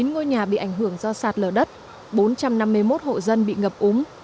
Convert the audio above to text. một trăm linh chín ngôi nhà bị ảnh hưởng do sạt lở đất bốn trăm năm mươi một hộ dân bị ngập úng